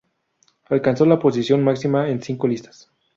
Alcanzó la posición máxima en cinco listas.